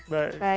baik mbak diya